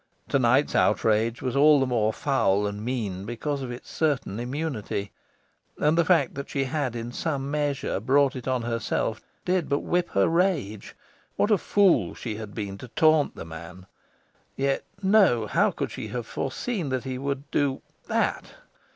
To night's outrage was all the more foul and mean because of its certain immunity. And the fact that she had in some measure brought it on herself did but whip her rage. What a fool she had been to taunt the man! Yet no, how could she have foreseen that he would do THAT?